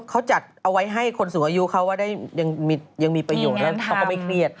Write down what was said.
เขาจัดเอาไว้ให้คนสูงอายุเขาว่าได้ยังมีประโยชน์แล้วเขาก็ไม่เครียด